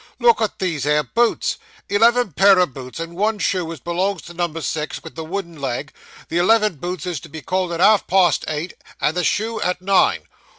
'Look at these here boots eleven pair o' boots; and one shoe as belongs to number six, with the wooden leg. The eleven boots is to be called at half past eight and the shoe at nine.